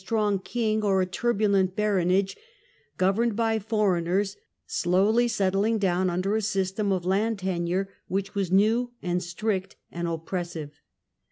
strong king or a turbulent baronage, governed by foreigners, slowly settling down under a system of land tenure which was new and strict and oppressive.